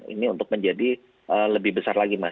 ini untuk menjadi lebih besar lagi mas